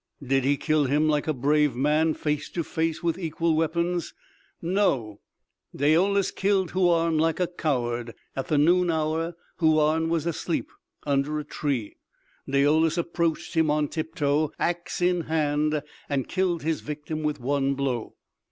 Did he kill him, like a brave man face to face with equal weapons? No, Daoulas killed Houarne like a coward. At the noon hour, Houarne was asleep under a tree. Daoulas approached him on tiptoe, axe in hand and killed his victim with one blow.